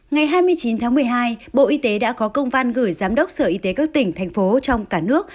ngày hai mươi chín tháng một mươi hai bộ y tế đã có công văn gửi giám đốc sở y tế các tỉnh thành phố trong cả nước